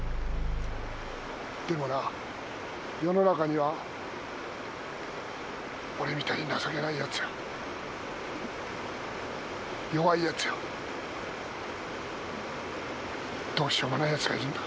でもな世の中には俺みたいに情けない奴や弱い奴やどうしようもない奴がいるんだ。